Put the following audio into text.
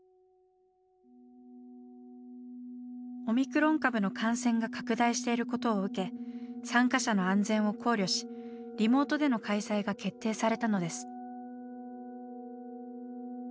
オミクロン株の感染が拡大していることを受け参加者の安全を考慮しリモートでの開催が決定されたのです。